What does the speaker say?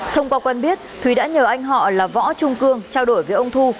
thông qua quen biết thúy đã nhờ anh họ là võ trung cương trao đổi với ông thu